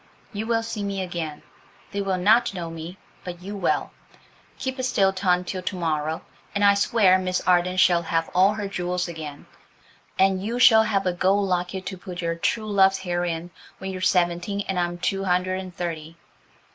You will see me again. They will not know me, but you will. Keep a still tongue till to morrow, and I swear Miss Arden shall have all her jewels again, and you shall have a gold locket to put your true love's hair in when you're seventeen and I'm two hundred and thirty.